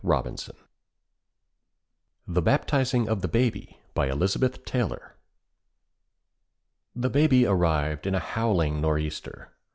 The Baptizing of the Baby By Elizabeth Taylor The Baby arrived in a howling nor'easter.